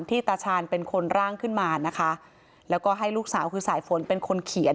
ตาชาญเป็นคนร่างขึ้นมานะคะแล้วก็ให้ลูกสาวคือสายฝนเป็นคนเขียน